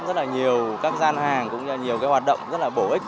rất là nhiều các gian hàng cũng là nhiều cái hoạt động rất là bổ ích